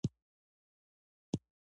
زړونه باید څنګه خوشحاله شي؟